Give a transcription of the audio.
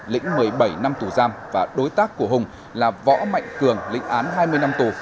lĩnh một mươi bảy năm tù giam và đối tác của hùng là võ mạnh cường lĩnh án hai mươi năm tù